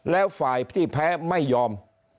แล้วฝ่ายที่แพ้ไม่ยอม